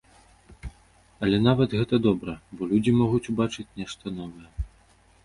Але нават гэта добра, бо людзі могуць ўбачыць нешта новае.